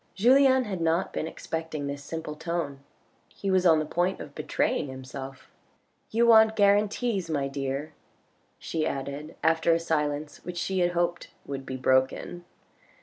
Julien had not been expecting this simple tone. He was on the point of betraying himself. " You want guarantees, my dear, she added after a silence which she had hoped would be broken.